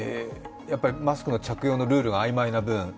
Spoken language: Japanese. やっぱりマスクの着用のルールが曖昧な分？